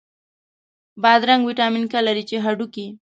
بادرنګ ویټامین K لري، چې هډوکی